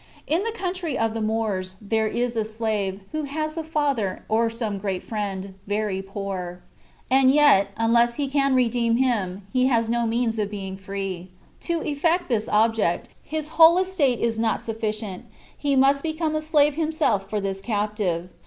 In the country of the Moors, there is a slave, who has a father, or some great friend, very poor ; and yet, unless he can redeem him, he has no means of being fre^. To effect this object, his whole estate is not suffi cient ; he must become a slave himself for this captive.